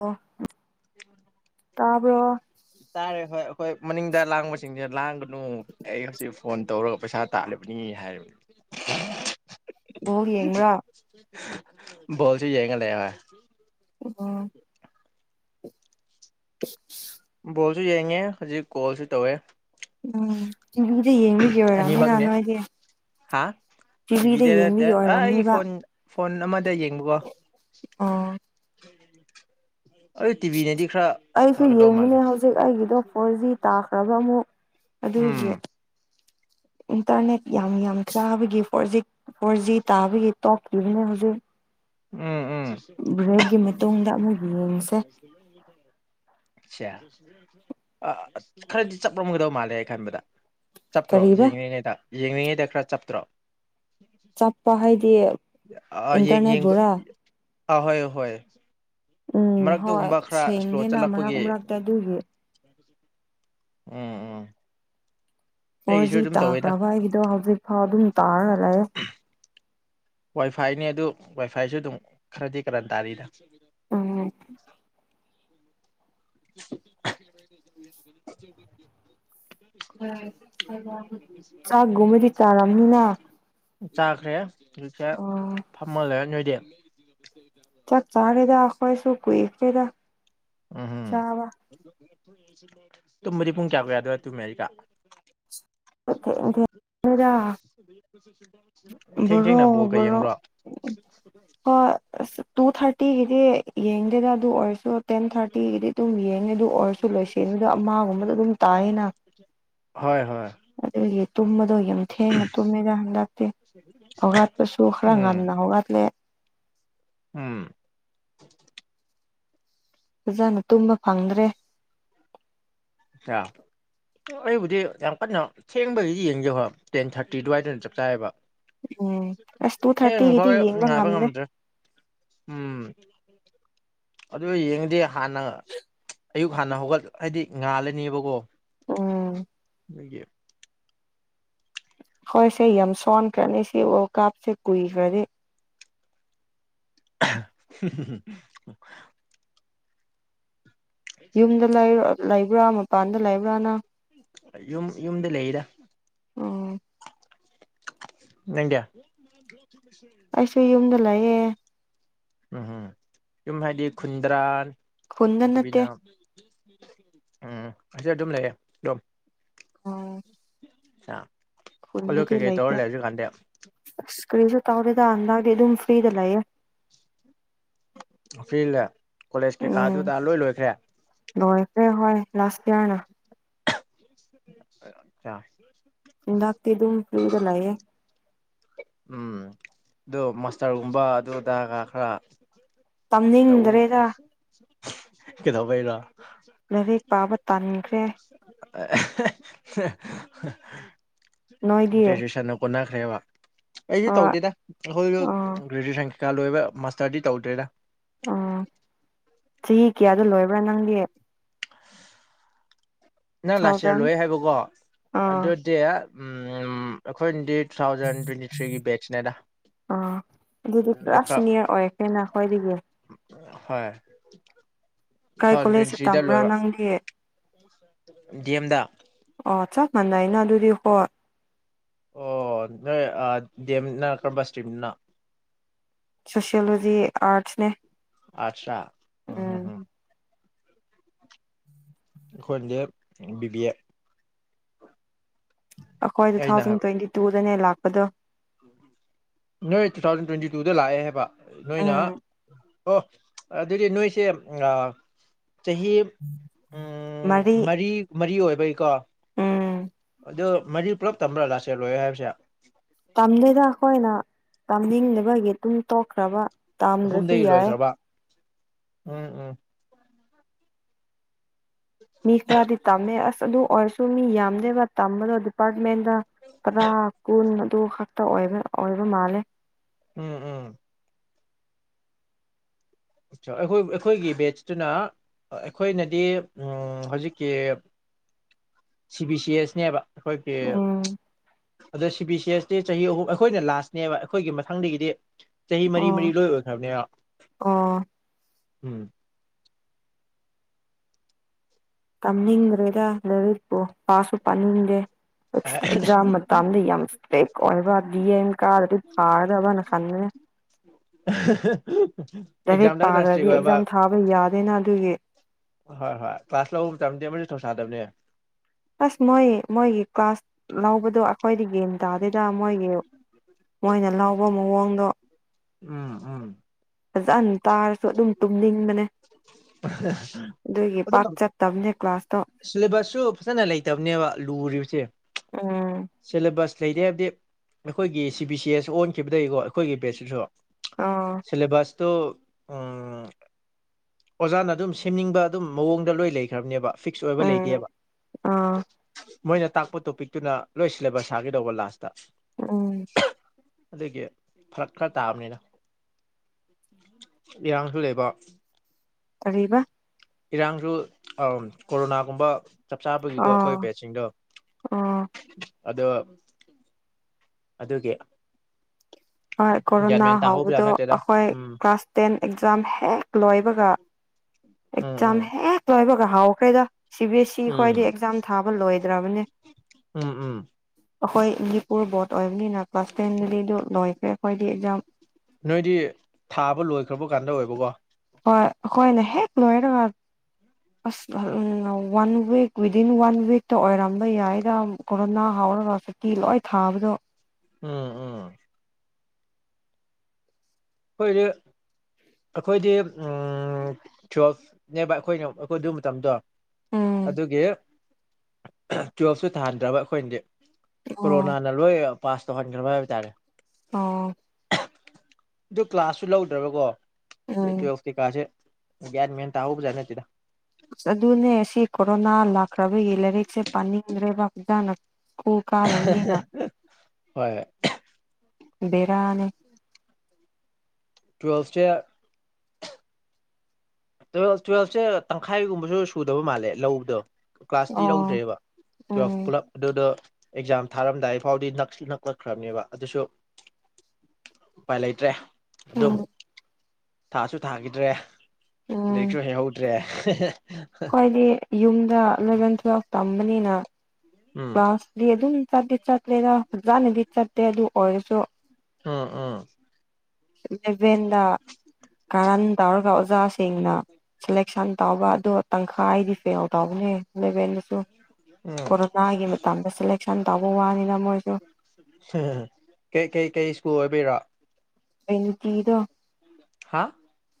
ꯑꯣ ꯇꯥꯕ꯭ꯔꯣ ꯇꯥꯔꯦ ꯍꯣꯏ ꯑꯩꯈꯣꯏ ꯃꯅꯤꯡꯗ ꯂꯥꯡꯕꯁꯤꯡꯁꯦ ꯂꯥꯡꯒꯅꯨ ꯑꯩ ꯍꯧꯖꯤꯛ ꯐꯣꯟ ꯇꯧꯔꯒ ꯄꯩꯁꯥ ꯇꯥꯂꯤꯕꯅꯤ ꯍꯥꯏꯔꯤꯕꯅꯤ [unintelligible] ꯍꯣ ꯌꯦꯡꯕ꯭ꯔꯥ ꯣꯜꯁꯨ ꯌꯥꯌꯦꯒ ꯂꯩ ꯑꯣ ꯀꯣꯜꯁꯨ ꯌꯦꯡꯉꯦ ꯍꯧꯖꯤꯛ ꯀꯣꯜꯁꯨ ꯇꯧꯋꯦ ꯎꯝ ꯁꯤꯡꯖꯗ ꯌꯦꯡꯕꯤꯒꯦ ꯑꯣꯏꯔꯝꯅꯤ ꯅ ꯅ ꯍꯥꯏꯗꯤ ꯍꯥꯥ ꯇꯤꯚꯗ ꯅꯠꯇ ꯑ ꯑꯣꯏꯔꯝꯅꯤꯕ ꯐꯣꯟ ꯐꯣꯟ ꯑꯃꯗ ꯌꯦꯡꯕꯀꯣ ꯑꯣ ꯑꯗꯨ ꯇꯤꯚꯤꯅꯗꯤ ꯈꯔ ꯑꯩꯁꯨ ꯐꯒꯗꯧ ꯃꯥꯜꯂꯦ ꯌꯦꯡꯃꯤꯅꯦ ꯍꯧꯖꯤꯛ ꯑꯩꯒꯤꯗꯣ ꯐꯣꯔ ꯖꯤ ꯇꯥꯈ꯭ꯔꯕ ꯑꯃꯨꯛ ꯑꯗ ꯃ ꯎꯝ ꯏꯟꯇꯔꯅꯦꯠ ꯌꯥꯝ ꯌꯥꯝ ꯆꯥꯕꯒꯤ ꯐꯣꯔ ꯖꯤ ꯐꯣꯔ ꯖꯤ ꯇꯥꯕꯒꯤ ꯇꯣꯛꯈꯤꯕꯅꯦ ꯍꯧꯖꯤꯛ ꯎꯝ ꯎꯝ ꯕ꯭ꯔꯦꯛꯀꯤ ꯃꯇꯨꯡꯗ ꯑꯃꯨꯛ ꯌꯦꯡꯁꯦ ꯁꯦ ꯈꯔꯗꯤ ꯆꯠꯂꯝꯝꯒꯗꯧ ꯃꯥꯜꯂꯦ ꯑꯩ ꯈꯟꯕꯗ ꯆꯞꯇ꯭ꯔꯣ ꯀꯔꯤꯕ ꯌꯦꯡꯂꯤꯉꯩꯗ ꯌꯦꯡꯂꯤꯉꯩꯗ ꯈꯔ ꯆꯞꯇ꯭ꯔꯣ ꯆꯞꯄ ꯍꯥꯏꯗꯤ ꯏꯟꯇꯔꯅꯦꯠ ꯔꯥ ꯑꯍꯣꯏꯍꯣꯏ ꯎꯝ ꯍꯣꯏ ꯃꯔꯛꯇꯨꯒꯨꯝꯕ ꯈꯔ ꯏꯁꯂꯣ ꯁꯦꯡꯗꯦꯅ ꯃꯔꯛ ꯆꯠꯂꯛꯄꯒꯤ ꯃꯔꯛꯇ ꯑꯗꯨꯒꯤ ꯎꯝ ꯎꯝ ꯑꯩꯒꯤꯁꯨ ꯍꯣꯏꯖꯤ ꯑꯗꯨꯝ ꯇꯧꯋꯦꯗ ꯇꯥꯈ꯭ꯔꯕ ꯑꯩꯒꯤꯗꯣ ꯍꯧꯖꯤꯛ ꯐꯥꯎ ꯑꯗꯨꯝ ꯇꯥꯔꯔꯦ ꯋꯥꯏꯐꯥꯏꯅꯤ ꯑꯗꯨ ꯋꯥꯏ ꯐꯥꯏꯁꯨ ꯑꯗꯨꯝ ꯈꯔꯗꯤ ꯀꯔꯟ ꯇꯥꯔꯤꯅ ꯑꯝ [unintelligible] ꯆꯥꯛꯒꯨꯝꯕꯗꯤ ꯆꯥꯔꯝꯅꯤꯅ ꯆꯖꯥꯈꯔꯦꯠ ꯁ ꯑꯣ ꯐꯥꯝꯃ ꯂꯩ ꯅꯣꯏꯗ ꯆꯥꯛ ꯆꯥꯔꯦꯗꯈꯣꯏꯁꯨ ꯀꯣꯏ ꯔꯦꯗ ꯆꯥꯕ ꯇꯨꯝꯃꯗꯤ ꯄꯨꯡ ꯀꯌꯥ ꯀꯨ ꯌꯥꯗꯣꯏ ꯇꯨꯝꯃꯦ ꯍꯥꯏꯔꯤ ꯀꯥ ꯊꯦꯡ [unintelligible] ꯭ꯔꯣ ꯭ꯔꯣ ꯇꯨ ꯊꯥꯔꯇꯤꯗꯤ ꯌꯦꯡꯗꯦꯗ ꯑꯗꯨ ꯑꯣꯏꯔꯁꯨ ꯇꯦꯟ ꯊꯥꯔꯇꯤꯒꯤꯗꯤ ꯑꯗꯨꯝ ꯌꯦꯡꯉꯦ ꯑꯗꯨ ꯑꯣꯏꯔꯁꯨ ꯂꯣꯏꯁꯂꯦꯗ ꯑꯃꯒꯨꯝꯕꯗ ꯑꯗꯨꯝ ꯇꯥ ꯍꯥꯏꯅ ꯍꯣꯏ ꯍꯣꯏ ꯑꯗꯨꯗꯤ ꯇꯨꯝꯕꯗꯣ ꯌꯥꯝ ꯊꯦꯡꯅ ꯇꯨꯝꯃꯦꯗ ꯍꯟꯗꯛꯇꯤ ꯍꯧꯒꯠꯄꯁꯨ ꯈꯔ ꯎꯝ ꯉꯟꯅ ꯍꯧꯒꯠꯂꯦ ꯎꯝ ꯑꯣꯖꯥꯅ ꯇꯨꯝꯕ ꯐꯪꯗ꯭ꯔꯦ ꯑꯆꯥ ꯑꯩꯕꯨꯗꯤ ꯌꯥꯝ ꯀꯟꯅ ꯊꯦꯡꯕꯒꯤꯗꯤ ꯌꯦꯡꯒꯦ ꯍ꯭ꯔ ꯇꯦꯟ ꯊꯥꯔꯇꯤ ꯑꯗꯨꯋꯥꯏꯗꯅ ꯆꯞ ꯆꯥꯏꯌꯦꯕ ꯎꯝ ꯑꯁ ꯇꯨ ꯍꯦꯡꯛ ꯊꯥꯔꯇꯤꯒꯤꯗꯤ ꯐꯥꯎꯋꯦ ꯌꯦꯡꯕ ꯅꯨꯡꯉꯥꯏꯕ ꯉꯝꯗꯦ ꯉꯝꯗ꯭ꯔꯦ ꯎꯝ ꯑꯗꯨ ꯌꯦꯡꯗꯦ ꯍꯥꯟꯅ ꯑꯌꯨꯛ ꯍꯥꯟꯅ ꯍꯧꯒꯠ ꯍꯥꯏꯗꯤ ꯉꯍꯂꯦ ꯅꯕ ꯀꯣ ꯎꯝ ꯑꯩꯗꯒꯤ ꯍꯣꯏ ꯁꯦ ꯌꯥꯝ ꯁꯣꯟꯈ꯭ꯔꯅꯤ ꯁꯤ ꯋꯥꯔꯜ ꯀꯞꯁꯦ ꯀꯨꯏꯈ꯭ꯔꯗꯤ [unintelligible] ꯌꯨꯝꯗ ꯂꯩꯕ꯭ꯔꯥ ꯃꯄꯥꯟꯗ ꯂꯩꯕ꯭ꯔꯥꯅ ꯌꯨꯝ ꯌꯨꯝꯗ ꯂꯩꯔ ꯑꯣꯝ ꯅꯪꯗꯌꯥ ꯂꯑꯌꯦꯦ ꯎꯝꯝ ꯌꯨꯝ ꯍꯥꯏꯗꯤ ꯈꯨꯟꯗ꯭ꯔꯥꯟ ꯈꯨꯟꯗ ꯅꯠꯇꯦ ꯑꯗꯨꯕꯤꯅ ꯎꯝ ꯑꯁꯤ ꯑꯗꯨꯝ ꯂꯩꯌꯦ ꯑꯗꯨꯝ ꯑꯣ ꯑ ꯈꯨꯨꯜꯗꯗꯤ ꯂꯩꯇꯦ ꯑꯁ ꯀꯔꯤꯁꯨ ꯇꯥꯎꯔꯦꯗ ꯍꯟꯗꯥꯡꯗꯤ ꯑꯗꯨꯝ ꯄꯤꯗ ꯂꯌꯦ ꯑꯔꯤꯂ ꯀꯣꯂꯦꯖ ꯎꯝ ꯀꯩꯀꯥꯗꯨꯗ ꯂꯣꯏ ꯂꯣꯏꯈ꯭ꯔꯦ ꯂꯣꯏꯈ꯭ꯔꯦ ꯍꯣꯏ ꯂꯥꯁ ꯏꯌꯥꯔꯅ ꯑꯆꯥ ꯥꯛꯇ ꯑꯗꯨꯝ ꯐꯗ ꯂꯌꯦꯦ ꯎꯝ ꯑꯗꯨ ꯃꯁꯇꯔꯒꯨꯝꯕ ꯑꯗꯨ ꯑꯗꯥꯒ ꯈꯔ ꯇꯝꯅꯤꯡꯗ꯭ꯔꯦꯗ ꯀꯩꯗ ꯀꯩꯔ ꯂꯥꯏꯔꯤꯛ ꯄꯥꯕ ꯇꯥꯟꯈ꯭ꯔꯦ ꯅꯣꯏꯗꯤ ꯑ ꯒ꯭ꯔꯦꯖꯨꯌꯦꯦꯁꯟ ꯄꯨꯅ ꯐꯈ꯭ꯔꯦꯕ ꯑꯩꯁꯨ ꯑ ꯇꯧꯗꯦꯗ ꯑꯩꯈꯣꯏꯁꯨ ꯑ ꯒ꯭ꯔꯦꯖꯌꯦꯦꯁꯟ ꯀꯩꯀꯥ ꯂꯣꯏꯕ ꯃꯥꯁꯇꯔꯗꯤ ꯇꯧꯗ꯭ꯔꯦꯔ ꯑꯣ ꯆꯍꯤ ꯀꯌꯥꯗꯣ ꯂꯣꯏꯕ꯭ꯔꯥ ꯅꯪꯒꯤ ꯅꯪ ꯂꯥꯛꯁꯤꯔ ꯊꯥꯎꯖꯟ ꯂꯣꯏ ꯍꯥꯏꯕꯀꯣ ꯑꯥ ꯑꯗꯨꯗꯤ ꯑꯩꯈꯣꯏꯅꯗꯤ ꯇꯨ ꯊꯥꯎꯖꯟ ꯇ꯭ꯋꯦꯟꯇꯤ ꯊ꯭ꯔꯤꯒꯤ ꯕꯦꯠꯁꯅꯦꯗ ꯑꯥ ꯑꯗꯨꯗꯤ ꯑꯗꯩ ꯀ꯭ꯂꯥꯁ ꯈꯔ ꯁꯤꯅꯤꯌꯔ ꯑꯣꯏꯔꯀꯦꯅꯈꯣꯏꯗꯒꯤ ꯍꯣꯏ ꯀꯥꯏ ꯊꯥꯎꯟ ꯀꯣꯂꯦꯖꯇ ꯄ꯭ꯔꯤꯟꯁꯗ ꯇꯝꯕ꯭ꯔꯥ ꯂꯣꯏꯕ ꯅꯪꯗꯤ ꯒꯦꯝꯗ ꯑꯣ ꯆꯥꯛ ꯃꯥꯟꯅ ꯍꯥꯏꯅ ꯑꯗꯨꯗꯤ ꯀꯣ ꯑꯣ ꯅꯣꯏ ꯗꯦꯝꯅ ꯀꯔꯝꯕ ꯏꯁꯇ꯭ꯔꯤꯝꯅꯤꯅ ꯁꯣꯁꯤꯣꯂꯣꯖꯤ ꯑꯔꯠꯁꯅꯦ ꯑꯆꯥ ꯎꯝꯝꯝ ꯈꯣꯏꯂꯦ ꯕꯤꯕꯤ ꯑꯦ ꯑꯩꯈꯣꯏ ꯇꯨ ꯑꯩꯅ ꯊꯥꯎꯖꯟ ꯍꯥꯏꯕ ꯇ꯭ꯋꯦꯟꯇꯤ ꯇꯨꯗꯅꯦ ꯂꯥꯛꯄꯗꯣ ꯅꯣꯏ ꯇꯨ ꯊꯥꯎꯖꯟ ꯇ꯭ꯋꯦꯟꯇꯤ ꯇꯨꯗ ꯂꯥꯛꯑꯦ ꯍꯥꯏꯕ ꯅꯣꯏꯅ ꯎꯝ ꯑꯣ ꯑꯗꯨꯗꯤ ꯅꯣꯏꯁꯦ ꯑ ꯆꯍꯤ ꯃꯔꯤ ꯃꯔꯤ ꯑꯣꯏꯕꯩꯀꯣ ꯎꯝ ꯑꯗꯨ ꯃꯔꯤ ꯄꯨꯂꯞ ꯇꯝꯕ꯭ꯔꯥ ꯂꯥꯛꯁꯦꯂꯣꯏꯦ ꯍꯥꯏꯕꯁꯦ ꯄꯥꯡꯅꯤꯡꯅꯕꯒꯤꯇꯨꯝ ꯇꯣꯛꯈ꯭ꯔꯕ ꯇꯥꯝꯗ꯭ꯔꯁꯨ ꯑꯍꯨꯝꯗꯒꯤ ꯌꯥꯔꯦ ꯂꯣꯏꯈ꯭ꯔꯕ ꯎꯝ ꯎꯝ ꯃꯤ ꯈꯔꯗꯤ ꯇꯝꯃꯦ ꯑꯁ ꯑꯗꯨ ꯑꯣꯏꯔꯁꯨ ꯃꯤ ꯌꯥꯝꯗꯦꯕ ꯇꯝꯕꯗꯣ ꯑꯗꯨ ꯑꯦꯄꯥꯔꯠꯃꯦꯟꯗ ꯇꯔꯥ ꯀꯨꯟ ꯑꯗꯨ ꯈꯛꯇꯕ ꯑꯣꯏꯕ ꯃꯥꯜꯂꯦ ꯎꯝ ꯎꯝ ꯑ ꯑꯩꯈꯣꯏ ꯑꯩꯈꯣꯏꯒꯤ ꯕꯦꯠꯁꯇꯨꯅ ꯑꯩꯈꯣꯏꯅꯗꯤ ꯍꯧꯖꯤꯛꯀꯤ ꯁꯤ ꯕꯤ ꯁꯤ ꯑꯦꯁꯅꯦꯕ ꯑꯩꯈꯣꯏꯒꯤ ꯎꯝ ꯑꯗ ꯁꯤ ꯕꯤ ꯁꯤ ꯑꯦꯁ ꯆꯍꯤ ꯑꯍꯨꯝ ꯑꯩꯈꯣꯏꯅ ꯂꯥꯁꯅꯦꯕ ꯑꯩꯈꯣꯏꯒꯤ ꯃꯊꯪꯗꯒꯤꯗꯤ ꯆꯍꯤ ꯃꯔꯤ ꯑꯣ ꯃꯔꯤ ꯂꯣꯏ ꯑꯣꯏꯈ꯭ꯔꯕꯅꯦ ꯑꯣ ꯎꯝ ꯇꯝꯅꯤꯡꯗ꯭ꯔꯦꯗ ꯂꯔꯤꯄꯣ ꯄꯁꯨ ꯄꯅꯤꯡꯗꯦ ꯑꯦꯛꯖꯥꯝ ꯃꯇꯗ ꯌꯥꯝ ꯏꯁꯇ꯭ꯔꯦ ꯑꯣꯏꯕ ꯗꯤ ꯀꯔꯗꯤ ꯐꯥꯔꯗꯕꯅ ꯈꯥꯟꯅꯤꯅꯦ ꯂꯥꯏꯔꯤꯛ ꯑꯦꯖꯝ ꯇ ꯈ ꯄꯥꯗ꯭ꯔꯗꯤ ꯍꯥꯏꯁꯤꯒꯣ ꯑꯕ ꯑꯦꯛꯖꯥꯝ ꯊꯥꯕ ꯌꯥꯗꯦꯅ ꯑꯗꯨꯒꯤ ꯍꯣꯏ ꯍꯣꯏ ꯀ꯭ꯂꯥꯁ ꯂꯧꯕ ꯃꯇꯝꯗ ꯑꯃꯁꯨ ꯊꯧꯁꯥꯗꯕꯅꯦ ꯑꯁ ꯃꯣꯏ ꯃꯣꯏꯒꯤ ꯀ꯭ꯂꯥꯁ ꯂꯧꯕꯗꯣ ꯑꯩꯈꯣꯏꯗ ꯒ꯭ꯟ ꯇꯥꯗꯣꯏꯗ ꯃꯣꯏꯒꯤ ꯃꯣꯏꯅ ꯂꯥꯎꯕ ꯃꯑꯣꯡꯗꯣ ꯎꯝ ꯎꯝ ꯐꯖꯍꯟ ꯇꯥꯔꯁꯨ ꯑꯗꯨꯝ ꯇꯨꯝꯅꯤꯡꯕꯅꯦ ꯑꯗꯨꯒꯤ ꯑꯗꯣ ꯄꯥꯛ ꯆꯠꯇꯕꯅꯦ ꯀ꯭ꯂꯥꯁꯇꯣ ꯁꯤꯂꯦꯕꯁꯁꯨ ꯐꯖꯅ ꯂꯩꯇꯕꯅꯦꯕ ꯂꯨꯔꯤꯕꯁꯦ ꯎꯝ ꯁꯤꯂꯦꯕꯁ ꯂꯩꯔꯦ ꯍꯥꯏꯕꯗꯤ ꯑꯩꯈꯣꯏꯒꯤ ꯁꯤ ꯕꯤ ꯁꯤ ꯑꯦꯁ ꯑꯣꯟꯈꯤꯕꯗꯒꯤꯀꯣ ꯑꯩꯈꯣꯏꯒꯤ ꯕꯦꯁꯁꯤꯁꯨ ꯑꯥ ꯁꯤꯂꯦꯕꯁꯇꯣ ꯎꯝ ꯑꯣꯖꯥꯅ ꯑꯗꯨꯝ ꯁꯦꯝꯅꯤꯡꯕ ꯑꯗꯨꯝ ꯃꯑꯣꯡꯗ ꯂꯣꯏ ꯂꯩꯈ꯭ꯔꯕꯅꯦꯕ ꯐꯤꯛꯁ ꯑꯣꯏꯕ ꯎꯝ ꯂꯩꯇꯦꯕ ꯑꯥ ꯃꯣꯏꯅ ꯇꯥꯛꯄ ꯇꯣꯄꯤꯛꯇꯨꯅ ꯂꯣꯏ ꯁꯤꯂꯦꯕꯁ ꯁꯥꯒꯗꯧꯕ ꯂꯥꯁꯇ ꯎꯝ ꯑꯗꯨꯒꯤ ꯐꯔꯛ ꯈꯔ ꯇꯥꯕꯅꯤꯅ ꯏꯔꯥꯡꯁꯨ ꯂꯩꯕ ꯀꯔꯤꯕ ꯏꯔꯥꯡꯁꯨ ꯀꯣꯔꯣꯅꯥꯒꯨꯝꯕ ꯆꯞ ꯆꯥꯕꯒꯤꯀꯣ ꯑꯥ ꯑꯩꯈꯣꯏ ꯕꯦꯠꯁꯤꯡꯗꯣ ꯑꯥ ꯑꯗꯣ ꯑꯗꯨꯒꯤ ꯍꯣꯏ ꯒ꯭ꯌꯥꯟ ꯀꯣꯔꯣꯅꯥ ꯃꯦꯟ ꯇꯥꯍꯧꯕꯖꯥꯠ ꯍꯕꯗꯣ ꯅꯠꯇꯦꯗ ꯑꯩꯈꯣꯏ ꯎꯝ ꯀ꯭ꯂꯥꯁ ꯇꯦꯟ ꯑꯦꯛꯖꯥꯝ ꯍꯦꯛ ꯂꯣꯏꯕꯒ ꯎꯝ ꯑꯦꯖꯝ ꯎꯝ ꯑꯦꯦ ꯂꯣꯏꯕꯒ ꯍꯥꯎ ꯀꯩꯗ ꯁꯤ ꯕꯤ ꯑꯦꯁ ꯏ ꯎꯝ ꯈ꯭ꯋꯥꯏꯗꯒꯤ ꯑꯦꯛꯖꯥꯝ ꯊꯥꯕ ꯂꯣꯏꯗ꯭ꯔꯕꯅꯦ ꯎꯝ ꯎꯝ ꯑꯩꯈꯣꯏ ꯏꯗꯤ ꯄꯨꯔꯣ ꯕꯣꯠ ꯑꯣꯏꯕꯅ ꯀ꯭ꯂꯥꯁ ꯇꯦꯟꯗꯤ ꯑꯗꯨ ꯂꯣꯏꯈꯦ ꯑꯩꯣꯏꯗꯤ ꯑꯦꯛꯖꯝ ꯅꯣꯏꯗꯤ ꯊꯥꯕ ꯂꯣꯏꯈ꯭ꯔꯕ ꯀꯥꯟꯗ ꯑꯣꯏꯕꯀꯣ ꯍ ꯀꯅ ꯍꯦꯛ ꯂꯣꯏꯦ ꯇꯉꯥ ꯑꯁ ꯋꯥꯟ ꯋꯤꯛ ꯋꯤꯗꯤꯟ ꯋꯥꯟ ꯋꯤꯛꯇ ꯑꯣꯏꯔꯝꯕ ꯌꯥꯏꯗ ꯀꯣꯔꯣꯅꯥ ꯍꯥꯎꯔꯒ ꯁꯛꯇꯤ ꯂꯣꯏ ꯊꯥꯕꯗꯣ ꯎꯝ ꯎꯝ ꯐꯣꯏꯔ ꯑꯩꯈꯣꯏꯗꯤ ꯇꯨꯋꯦꯜꯐꯅꯦꯕ ꯑꯩꯈꯣꯏꯅ ꯑꯩꯈꯣꯏ ꯑꯗꯨ ꯃꯇꯝꯗꯣ ꯎꯝ ꯑꯗꯨꯒꯤ ꯇꯨꯋꯦꯜꯐꯁꯨ ꯊꯥꯍꯟꯗ꯭ꯔꯕ ꯑꯩꯈꯣꯏꯅꯗꯤ ꯑꯣ ꯀꯣꯔꯣꯅꯥꯅ ꯂꯣꯏ ꯄꯥꯁ ꯇꯧꯍꯟꯈ꯭ꯔꯕ ꯍꯥꯏꯕ ꯇꯥꯔꯦ ꯑꯣ ꯑꯗꯨ ꯀ꯭ꯂꯥꯁꯁꯨ ꯂꯧꯗ꯭ꯔꯕꯀꯣ ꯎꯝ ꯇꯨꯌꯦꯜꯞ ꯀꯩꯀꯥꯁꯦ ꯒ꯭ꯌꯥꯟ ꯃꯦꯟ ꯇꯥꯍꯧꯕ ꯖꯥꯠ ꯅꯠꯇꯦꯗ ꯑꯗꯨꯅꯦ ꯁꯤ ꯀꯣꯔꯣꯅꯥ ꯂꯥꯛꯈ꯭ꯔꯕꯒꯤ ꯂꯥꯏꯔꯤꯛꯁꯦ ꯄꯥꯅꯤꯡꯗ꯭ꯔꯦꯕ ꯍꯛꯖ ꯀꯨꯀꯥ ꯅꯉꯒ ꯍꯣꯏ ꯕꯔꯅꯦ ꯇ꯭ꯋꯦꯜꯊ ꯇꯨꯌꯦꯦꯜ ꯇꯨꯋꯦꯜꯞꯁꯦ ꯇꯪꯈꯥꯏꯒꯨꯝꯕꯁꯨ ꯁꯨꯗꯕ ꯃꯥꯜꯂꯦ ꯂꯧꯕꯗꯣ ꯀ꯭ꯂꯥꯁꯇꯤ ꯑꯣ ꯂꯧꯧꯗ꯭ꯔꯦꯕ ꯇꯨꯋꯦꯜ ꯎꯝ ꯄꯨꯂꯞ ꯑꯗꯨꯗ ꯑꯦꯛꯖꯥꯝ ꯊꯥꯔꯝꯗꯥꯏꯐꯥꯎꯗꯤ ꯅꯛꯂꯛꯈ꯭ꯔꯕꯅꯦꯕ ꯑꯗꯨꯁꯨ ꯎꯄꯥꯏ ꯂꯩꯇ꯭ꯔꯦ ꯑꯗꯨꯝ ꯎꯝ ꯊꯥꯁꯨ ꯊꯥꯈꯤꯗ꯭ꯔꯦ ꯂꯥꯏꯔꯤꯛꯁꯨ ꯍꯩꯍꯧꯗ꯭ꯔꯦ ꯍ ꯍꯥꯏꯣꯏꯗꯤ ꯌꯨꯝꯗ ꯑꯦꯂꯚꯦꯟ ꯇꯨꯋꯦꯜꯐ ꯇꯝꯕꯅꯤꯅ ꯎꯝ ꯀ꯭ꯂꯥꯁꯗꯤ ꯑꯗꯨꯅꯤ ꯆꯠꯇꯗꯤ ꯆꯠꯇ꯭ꯔꯦꯗ ꯐꯖꯥꯅꯗꯤ ꯆꯠꯇꯦ ꯑꯗꯨ ꯑꯣꯏꯔꯁꯨ ꯑꯝ ꯎꯝ ꯂꯩꯕꯦꯟꯗ ꯀꯥꯔꯟ ꯇꯧꯔꯒ ꯑꯣꯖꯥꯁꯤꯡꯅ ꯁꯦꯂꯦꯛꯁꯟ ꯇꯧꯕ ꯑꯗꯨ ꯇꯪꯈꯥꯏꯗꯤ ꯐꯦꯜꯦꯜ ꯇꯥꯎꯕꯅꯦ ꯂꯦꯕꯦꯟꯗꯁꯨ ꯎꯝ ꯀꯣꯔꯣꯅꯥꯒꯤ ꯃꯇꯝꯗ ꯁꯦꯂꯦꯛꯁꯟ ꯇꯧꯕ ꯋꯥꯅꯤꯅ ꯃꯣꯏꯁꯨ ꯀꯩ ꯀꯩ ꯀꯩ ꯁ꯭ꯀꯨꯜ ꯑꯣꯏꯕꯤꯔ ꯑꯦꯅꯤ ꯀꯤꯗꯣ ꯍꯥꯥ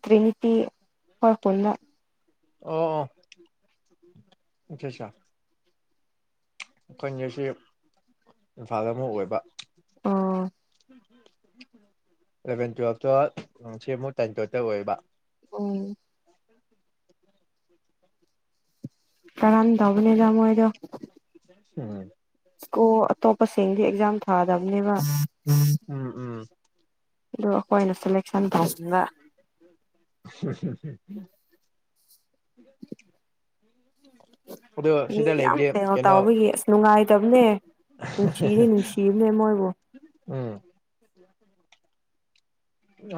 ꯇ꯭ꯔꯤꯅꯤꯇꯤ ꯍꯔ ꯄꯨꯅ ꯑꯣ ꯑꯣ ꯑꯆꯥ ꯑꯆꯥ ꯑꯩꯈꯣꯏꯁꯤ ꯏꯝꯐꯥꯜ ꯑꯃꯨꯛ ꯑꯣꯏꯕ ꯑꯥ ꯑꯦꯂꯚꯦꯟ ꯇꯨꯋꯜꯐꯇꯣ ꯁꯤ ꯑꯃꯨꯛ ꯇꯦꯟ ꯇꯋꯠꯇ ꯑꯣꯏꯕ ꯎꯝ ꯀꯥꯔꯥꯟ ꯇꯧꯕꯅꯤꯗ ꯃꯣꯏꯗꯣ ꯎꯝ ꯀꯣ ꯑꯇꯣꯞꯄꯁꯤꯡꯗꯤ ꯑꯦꯛꯖꯥꯝ ꯊꯥꯗꯕꯅꯦꯕ ꯎꯝ ꯎꯝ ꯑꯗꯣ ꯑꯩꯈꯣꯏꯅ ꯁꯦꯂꯦꯛꯁꯟ ꯇꯧꯁꯤꯟꯕ ꯑꯟꯑꯣꯗꯤꯕꯜ ꯃꯤ ꯌꯥꯝ ꯁꯦꯜ ꯀꯩꯅꯣ ꯇꯥꯎꯕꯒꯤ ꯑꯁ ꯅꯨꯡꯉꯥꯏꯇꯕꯅꯦ ꯅꯨꯡꯁꯤꯅꯤ ꯅꯨꯡꯁꯤꯕꯅꯦꯃꯣꯏꯕꯣ ꯎꯝ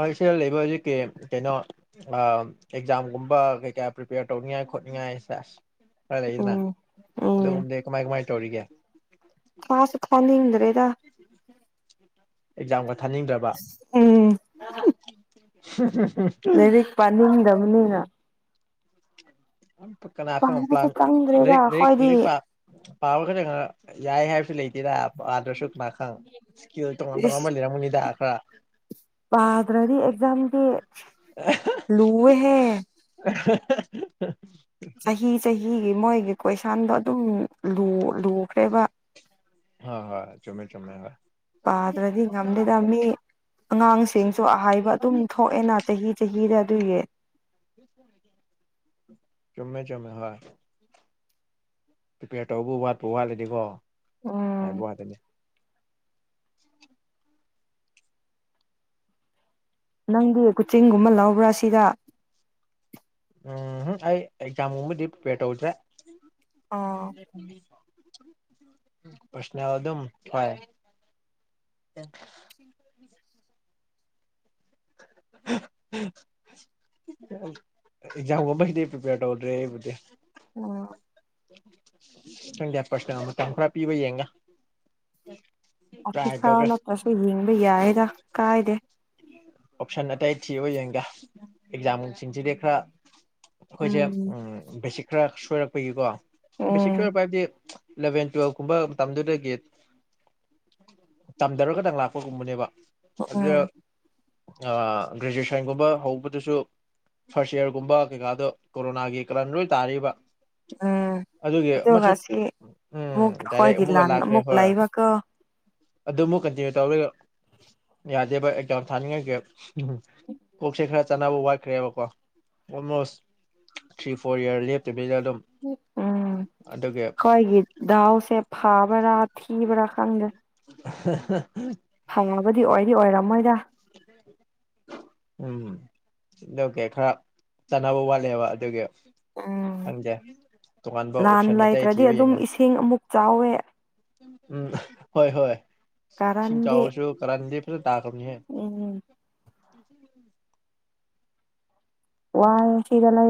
ꯑꯥꯏ ꯁꯤꯗ ꯂꯩꯕ ꯍꯧꯖꯤꯛꯀꯤ ꯀꯩꯅꯣ ꯑ ꯑꯦꯛꯖꯥꯝꯒꯨꯝꯕ ꯀꯩ ꯀꯥ ꯄ꯭ꯔꯤꯄꯦꯌꯔ ꯇꯧꯅꯤꯡꯉꯥꯏ ꯉꯥꯏ ꯈꯣꯠꯅꯤꯡꯉꯥꯏ ꯈꯔ ꯂꯩꯗꯅ ꯎꯝ ꯎꯝ ꯑꯗꯨꯒꯨꯝꯕꯗꯤ ꯀꯃꯥꯏ ꯀꯃꯥꯏ ꯇꯧꯔꯤꯒꯦ ꯔꯦꯗ ꯑꯦꯛꯖꯥꯝꯒ ꯊꯥꯅꯤꯡꯗ꯭ꯔꯕ ꯎꯝ ꯂꯩꯗꯤ ꯄꯥꯅꯤꯡꯗꯝꯅꯤꯅ ꯄ ꯀꯅ ꯄꯥꯕꯁꯨ ꯄ꯭ꯂꯥꯟ ꯂꯩ ꯆꯪꯗ꯭ꯔꯦꯗ ꯂꯩ ꯑꯩꯈꯣꯏꯗꯤ ꯂꯩꯔꯤꯛ ꯄꯥꯕ ꯈꯔ ꯈꯔ ꯌꯥꯏ ꯍꯥꯏꯕꯁꯨ ꯂꯩꯇꯦꯔ ꯄꯥꯗ꯭ꯔꯁꯨ ꯃꯈꯥꯡ ꯁꯤꯀꯤ ꯇꯣꯡꯉꯥꯟ ꯇꯣꯉꯥꯟꯕ ꯂꯩꯔꯥꯡ ꯃꯅꯤꯗ ꯈ꯭ꯔꯥ ꯄꯥꯗꯔꯔꯤ ꯑꯦꯖꯝꯗꯤ ꯂꯨꯋꯦꯍꯦ ꯆꯍꯤ ꯆꯍꯤꯒꯤ ꯃꯣꯏꯒꯤ ꯀꯣꯏꯁꯟꯗꯣ ꯑꯗꯨꯝ ꯂꯨ ꯂꯨꯈ꯭ꯔꯦꯕ ꯍꯣ ꯍꯣꯏ ꯆꯨꯝꯃꯦ ꯆꯨꯝꯃꯦ ꯍꯣꯏ ꯄꯥꯗ꯭ꯔꯗꯤ ꯉꯜꯗꯦꯗ ꯃꯤ ꯑꯉꯥꯡꯁꯤꯡꯁꯨ ꯑꯍꯥꯏꯕ ꯑꯗꯨꯝ ꯊꯣꯛꯑꯦꯅ ꯆꯍꯤ ꯆꯍꯤꯗ ꯑꯗꯨꯒꯤ ꯆꯨꯝꯃꯦ ꯆꯨꯝꯃꯦ ꯍꯣꯏ ꯄ꯭ꯔꯤꯄꯦꯌꯔ ꯇꯧꯕ ꯋꯥꯠꯄ ꯋꯥꯠꯂꯗꯤꯀꯣ ꯎꯝ ꯍꯥꯏꯕ ꯋꯥꯗꯅꯤ ꯑꯟꯑꯣꯗꯤꯕꯜ ꯅꯪꯗꯤ ꯀꯨꯆꯤꯡꯒꯨꯝꯕ ꯂꯧꯕ꯭ꯔꯥ ꯁꯤꯗ ꯎꯝꯍꯝ ꯑꯩ ꯑꯦꯛꯖꯥꯝꯒꯨꯝꯕꯗꯤ ꯄ꯭ꯔꯤꯄꯦꯌꯔ ꯇꯧꯗ꯭ꯔꯦ ꯑꯥ ꯄꯔꯁꯅꯦꯜ ꯑꯗꯨꯝ ꯍꯣꯏ ꯑꯟꯑꯣꯗꯤꯕꯜ ꯑꯟꯑꯣꯗꯤꯕꯜ ꯑꯦꯛꯖꯥꯝꯒꯨꯝꯕꯒꯤꯗꯤ ꯄ꯭ꯔꯤꯄꯦꯌꯔ ꯇꯧꯗ꯭ꯔꯦ ꯑꯩꯕꯨꯗꯤ ꯑꯣ ꯈꯪꯗꯦ ꯄꯔꯁꯅꯦꯜ ꯃꯇꯝ ꯈꯔ ꯄꯤꯕ ꯌꯦꯡꯒꯦ ꯑꯣꯐꯤꯁꯔ ꯅꯠꯇ꯭ꯔꯁꯨ ꯌꯦꯡꯕ ꯌꯥꯌꯦꯗ ꯀꯥꯏꯗꯦ ꯑꯣꯞꯁꯟ ꯑꯇꯩ ꯊꯤꯕ ꯌꯦꯡꯒꯦ ꯑꯦꯛꯖꯥꯝꯅꯨꯡꯁꯤꯡꯟꯁꯤꯗꯤ ꯈꯔ ꯑꯩꯈꯣꯏꯁꯦ ꯎꯝ ꯑꯝ ꯕꯦꯁꯤꯛ ꯈꯔ ꯁꯣꯏꯔꯛꯄꯒꯤꯀꯣ ꯕꯦꯁꯤꯛ ꯎꯝ ꯁꯣꯏꯔꯛꯄ ꯍꯥꯏꯕꯗꯤ ꯏꯂꯚꯦꯟ ꯇꯨꯋꯦꯜꯕ ꯀꯨꯝꯕ ꯃꯇꯝꯗꯨꯗꯒꯤ ꯇꯝꯊꯔꯒꯗꯪ ꯂꯥꯛꯄꯒꯨꯝꯕꯅꯦꯕ ꯎꯝ ꯒ꯭ꯔꯦꯖꯨꯑꯌꯦꯁꯟꯒꯨꯝꯕ ꯍꯧꯕꯗꯁꯨ ꯐꯥꯔꯁ ꯏꯌꯥꯔꯒꯨꯝꯕ ꯀꯩꯀꯥꯗꯣ ꯀꯣꯔꯣꯅꯥꯒꯤ ꯀꯥꯔꯟ ꯂꯣꯏ ꯇꯥꯔꯤꯕ ꯎꯝ ꯑꯗꯨꯒꯤ ꯑꯃꯁꯨ ꯑꯗꯨꯗꯨꯒꯁꯤ ꯎꯝ ꯃꯨꯛ ꯗꯥꯏꯔꯦꯛ ꯑꯈꯣꯏꯒꯤ ꯂꯥꯟ ꯑꯃꯨꯛ ꯂꯩꯕꯀꯣ ꯑꯗꯨꯃꯨꯛ ꯀꯟꯇꯤꯅ꯭ꯌꯨ ꯇꯧꯔ ꯌꯥꯗꯦꯕ ꯑꯦꯗꯥꯥꯎꯟ ꯊꯥꯅꯤꯡꯉꯒꯦ ꯎꯝ ꯀꯣꯛ ꯁꯦ ꯈꯔ ꯆꯥꯅꯕ ꯋꯥꯠꯈ꯭ꯔꯦꯕꯀꯣ ꯑꯣꯜꯃꯣꯁ ꯊ꯭ꯔꯤ ꯐꯣꯔ ꯏꯔ ꯂꯦꯞꯇꯣꯏ ꯎꯝ ꯈꯣꯏꯒꯤ ꯗꯥꯎꯁꯦ ꯐꯥꯕ꯭ꯔꯥ ꯊꯤꯕ꯭ꯔꯥ ꯈꯪꯗ꯭ꯔꯥ ꯑꯟꯑꯣꯗꯤꯕꯜ ꯐꯪꯉꯒꯗꯤ ꯑꯣꯏꯗꯤ ꯑꯣꯏꯔꯝꯃꯣꯏꯗ ꯍ ꯎꯝꯀꯦ ꯈꯔ ꯆꯥꯟꯅꯕ ꯋꯥꯠꯂꯦꯕ ꯑꯗꯨꯒꯤ ꯎꯝ ꯈꯪꯗꯦ ꯇꯣꯉꯥꯟꯕ ꯂꯥꯟ ꯑꯣꯞꯁꯟ ꯑꯇꯩ ꯂꯩꯇ꯭ꯔꯗꯤ ꯊꯤꯕ ꯑꯗꯨꯝ ꯌꯦꯡꯉ ꯏꯁꯤꯡ ꯑꯃꯨꯛ ꯆꯥꯎꯋꯦ ꯎꯝ ꯍꯣꯏ ꯍꯣꯏ ꯁꯤꯁꯤꯡꯝ ꯀꯥꯔꯟꯗꯤ ꯆꯥꯋ ꯆꯣ ꯀꯅꯤꯗ ꯐ ꯇꯥ ꯀꯅꯤ ꯍꯥꯏ ꯎꯝ [inaudible] ꯋꯥ ꯁꯤꯔꯂ